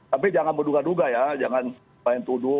tapi jangan menduga duga ya jangan main tuduh